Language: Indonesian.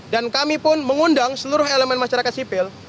dan kami pun mengundang seluruh elemen masyarakat sipil